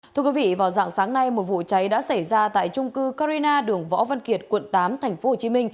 thưa quý vị vào dạng sáng nay một vụ cháy đã xảy ra tại trung cư carina đường võ văn kiệt quận tám tp hcm